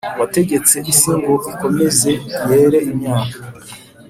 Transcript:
Wategetse isi ngo ikomeze yere imyaka